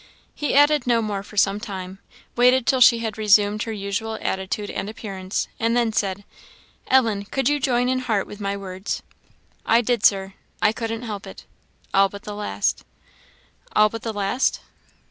He added no more for some time, waited till she had resumed her usual attitude and appearance, and then said "Ellen, could you join in heart with my words?" "I did, Sir I couldn't help it all but the last." "All but the last?"